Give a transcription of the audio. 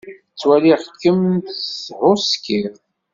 Ttwaliɣ-kem tehhuskid.